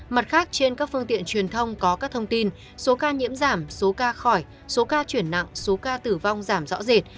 mặt khác trên các phương tiện truyền thông có các thông tin số ca nhiễm giảm số ca khỏi số ca chuyển nặng số ca tử vong giảm rõ rệt